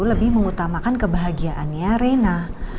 lebih mengutamakan kebahagiaannya rena